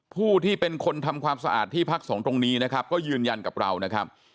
ผู้ที่เป็นคนทำความสะอาดที่พักสงฆ์ตรงนี้นะครับก็ยืนยันกับเรานะครับ